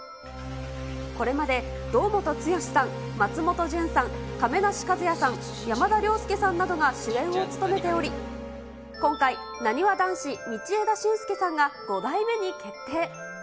これまで堂本剛さん、松本潤さん、亀梨和也さん、山田涼介さんなどが主演を務めており、今回、なにわ男子・道枝駿佑さんが５代目に決定。